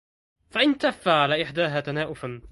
فانتف على إحداهما تنائفا